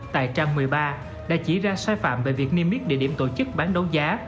tại trang một mươi ba đã chỉ ra sai phạm về việc niêm yết địa điểm tổ chức bán đấu giá